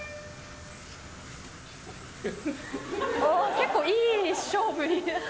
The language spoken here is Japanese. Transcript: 結構いい勝負に。